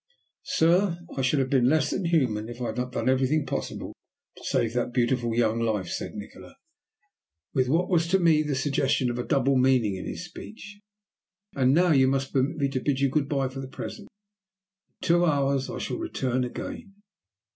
"Sir, I should have been less than human if I had not done everything possible to save that beautiful young life," said Nikola, with what was to me the suggestion of a double meaning in his speech. "And now you must permit me to bid you good bye for the present. In two hours I shall return again."